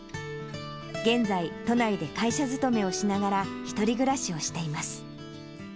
現在、都内で会社勤めをしながら１人暮らしをしています。